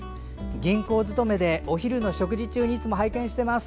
銀行勤めで、お昼の食事中にいつも拝見しています。